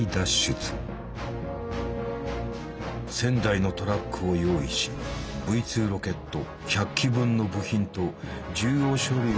１，０００台のトラックを用意しＶ２ロケット１００基分の部品と重要書類を積み込ませた。